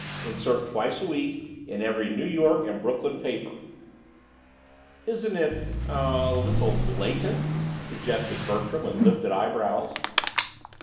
Insert twice a week in every New York and Brooklyn paper." "Isn't it—er—a little blatant?" suggested Bertram, with lifted eyebrows.